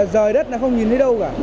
rời đất nó không nhìn thấy đâu cả